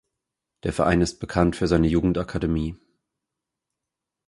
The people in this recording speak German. Der Verein ist bekannt für seine Jugendakademie.